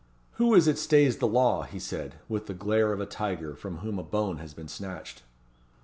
"Who is it stays the law?" he said, with the glare of a tiger from whom a bone has been snatched.